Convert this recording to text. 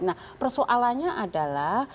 nah persoalannya adalah